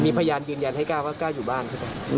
มีพยานยืนยันให้กล้าว่ากล้าอยู่บ้าน